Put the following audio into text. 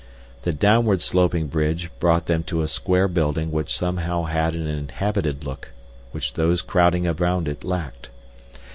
The downward sloping bridge brought them to a square building which somehow had an inhabited look which those crowding around it lacked.